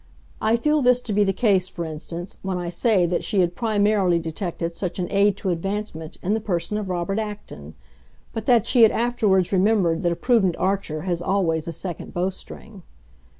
I feel this to be the case, for instance, when I say that she had primarily detected such an aid to advancement in the person of Robert Acton, but that she had afterwards remembered that a prudent archer has always a second bowstring.